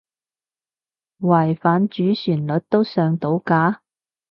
違反主旋律都上到架？